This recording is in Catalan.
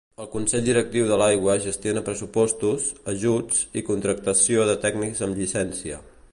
El consell directiu de l'aigua gestiona pressupostos, ajuts i contractació de tècnics amb llicència.